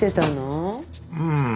うん。